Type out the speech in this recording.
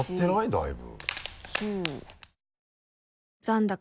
だいぶ。